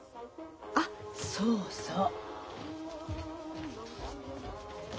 あっそうそう。